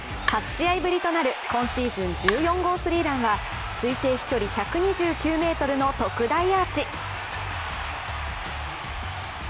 ８試合ぶりとなる今シーズン１４号スリーランは推定飛距離１２９ｍの特大アーチ。